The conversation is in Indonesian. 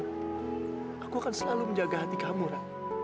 aku akan selalu menjaga hati kamu